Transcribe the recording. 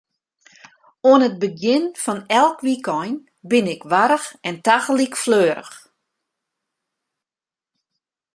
Oan it begjin fan elk wykein bin ik warch en tagelyk fleurich.